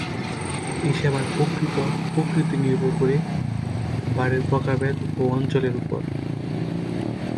এ সেবার প্রকৃত প্রকৃতি নির্ভর করে বারের প্রকারভেদ ও অঞ্চলের ওপর।